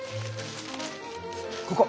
ここ！